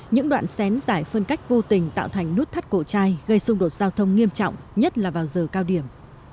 những đoạn xén giải phân cách vô tình tạo thành nút thắt cổ chai gây xung đột giao thông nghiêm trọng nhất là vào giờ cao điểm